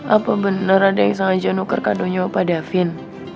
apa bener ada yang sengaja nuker kado nya opa davin